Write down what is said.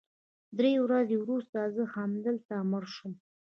درې ورځې وروسته زه همالته مړ شوم